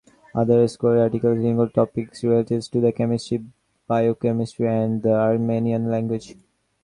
Other scholarly articles included topics related to chemistry, biochemistry, and the Armenian language.